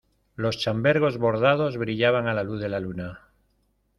los chambergos bordados brillaban a la luz de la luna.